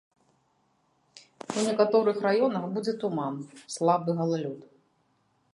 У некаторых раёнах будзе туман, слабы галалёд.